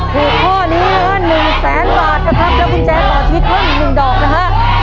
หัวข้อนี้นะฮะหนึ่งแสนบาทนะครับและกุญแจต่อทิศก็หนึ่งดอกนะฮะ